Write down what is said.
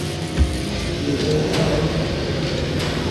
Yuba yedda ɣer unafag.